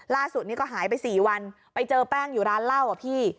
ล่าสุดนี้ก็หายไป๔วันไปเจอแป้งอยู่ร้านเหล้าอ่ะพี่